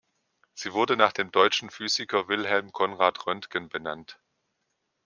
Sie wurde nach dem deutschen Physiker Wilhelm Conrad Röntgen benannt.